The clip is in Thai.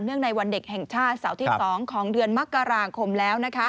ในวันเด็กแห่งชาติเสาร์ที่๒ของเดือนมกราคมแล้ว